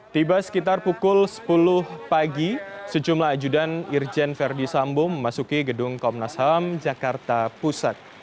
tiba sekitar pukul sepuluh pagi sejumlah ajudan irjen verdi sambo memasuki gedung komnas ham jakarta pusat